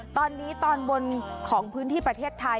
ตอนนี้ตอนบนของพื้นที่ประเทศไทย